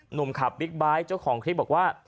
หนุ่มขับบิ๊กไบท์เจ้าของคลิปบอกว่า